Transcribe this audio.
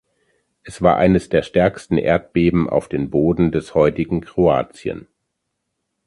Es war eines der stärksten Erdbeben auf den Boden des heutigen Kroatien.